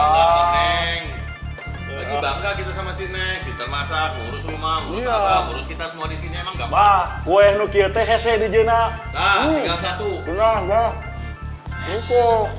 bangga kita sama sinet masak urus rumah